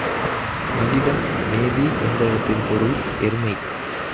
மகிடம், மேதி என்பவற்றின் பொருள் எருமை.